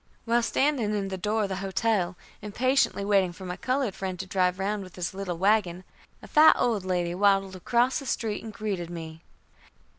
While standing in the door of the hotel, impatiently waiting for my colored friend to drive round with his little wagon, a fat old lady waddled across the street and greeted me.